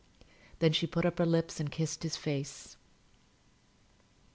Then she put up her lips and kissed his face.